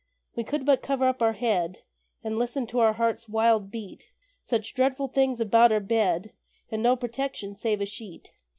We could but cover up our head, And listen to our heart's wild beat Such dreadful things about our bed, And no protection save a sheet!